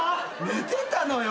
寝てたのよ。